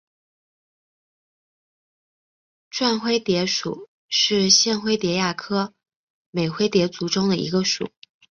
绽灰蝶属是线灰蝶亚科美灰蝶族中的一个属。